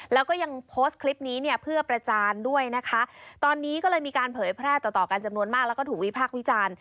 แล้วก็ยังโพสต์คลิปนี้เนี่ยเพื่อประจานด้วยนะคะตอนนี้ก็เลยมีการเผยแพร่ต่อต่อกันจำนวนมากแล้วก็ถูกวิพากษ์วิจารณ์